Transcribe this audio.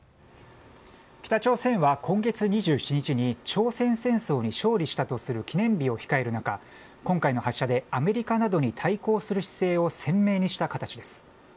北朝鮮は今月２７日に朝鮮戦争に勝利したとする記念日を控える中、今回の発射でアメリカなどに対抗する姿勢を鮮明にした形です。